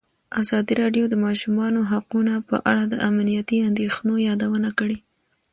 ازادي راډیو د د ماشومانو حقونه په اړه د امنیتي اندېښنو یادونه کړې.